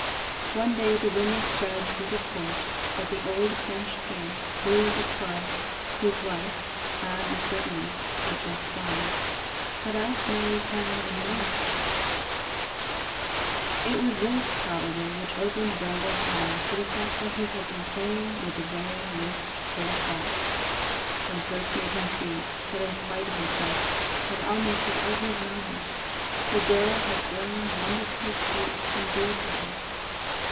One day the rumor spread through the court that the old French king, Louis XII, whose wife, Anne of Brittany, had just died, had asked Mary's hand in marriage. It was this, probably, which opened Brandon's eyes to the fact that he had been playing with the very worst sort of fire; and first made him see that in spite of himself, and almost without his knowledge, the girl had grown wonderfully sweet and dear to him.